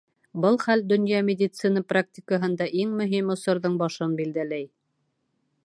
Был хәл донъя медицина практикаһында иң мөһим осорҙоң башын билдәләй.